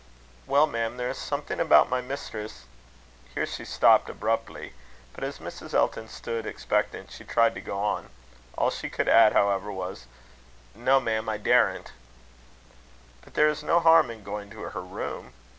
"Well, ma'am, there is something about my mistress " Here she stopped abruptly; but as Mrs. Elton stood expectant, she tried to go on. All she could add, however, was "No, ma'am; I daren't." "But there is no harm in going to her room."